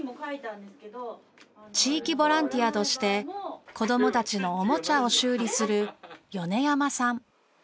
地域ボランティアとして子どもたちのおもちゃを修理する米山さん。